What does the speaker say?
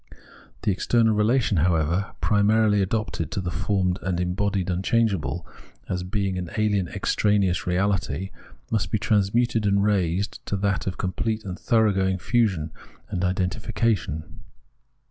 The external relation, however, primarily adopted to the formed and embodied imchangeable, as being an ahen extraneous reahty, must be transmuted and raised to that of complete and thoroughgoing fusion and identifi cation.